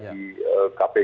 bagi kpk tentu akan mencari